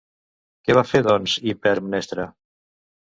Què va fer doncs Hipermnestra?